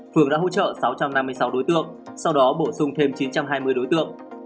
phường đã hỗ trợ sáu trăm năm mươi sáu đối tượng sau đó bổ sung thêm chín trăm hai mươi đối tượng